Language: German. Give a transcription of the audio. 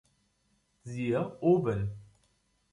Siehe oben.